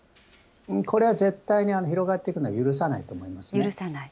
これは絶対に広がっていくのは許さないと思いますね。